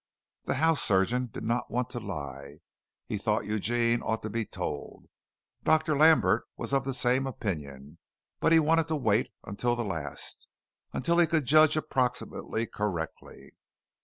The house surgeon did not want to lie. He thought Eugene ought to be told. Dr. Lambert was of the same opinion, but he wanted to wait until the last, until he could judge approximately correctly.